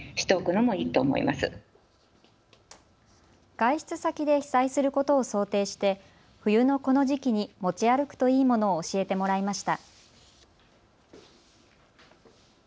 外出先で被災することを想定して冬のこの時期に持ち歩くといいものを教えてもらいました。